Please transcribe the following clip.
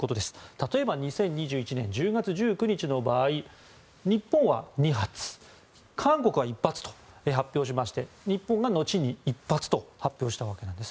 例えば２０２１年１０月１９日の場合日本は２発韓国は１発と発表しまして日本が後に１発と発表したわけなんです